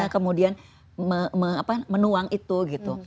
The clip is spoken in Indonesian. kemudian menuang itu gitu